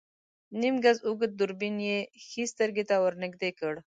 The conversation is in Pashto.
نيم ګز اوږد دوربين يې ښی سترګې ته ور نږدې کړ.